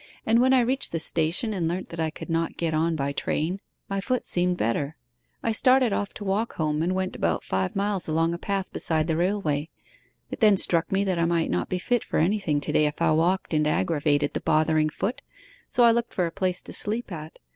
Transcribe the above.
And when I reached the station and learnt that I could not get on by train my foot seemed better. I started off to walk home, and went about five miles along a path beside the railway. It then struck me that I might not be fit for anything to day if I walked and aggravated the bothering foot, so I looked for a place to sleep at.